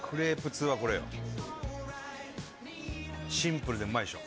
シンプルでうまいでしょ。